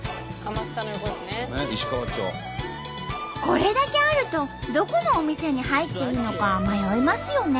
これだけあるとどこのお店に入っていいのか迷いますよね。